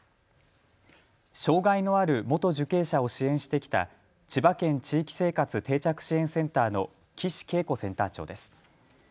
障害のある元受刑者を支援してきた千葉県地域生活定着支援センターの岸恵子センター長です。